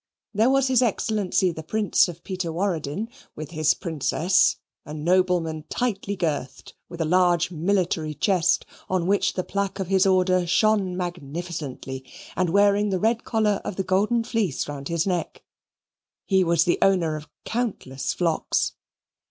There was his Excellency the Prince of Peterwaradin, with his Princess a nobleman tightly girthed, with a large military chest, on which the plaque of his order shone magnificently, and wearing the red collar of the Golden Fleece round his neck. He was the owner of countless flocks.